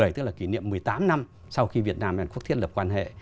tức là kỷ niệm một mươi tám năm sau khi việt nam hàn quốc thiết lập quan hệ